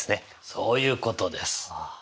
そういうことです。